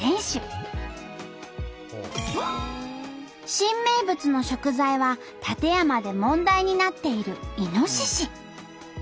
新名物の食材は館山で問題になっているイノシシ。